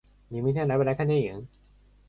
你明天来不来看电影？